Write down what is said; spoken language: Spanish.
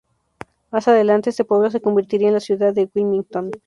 Más adelante, este pueblo se convertiría en la ciudad de Wilmington.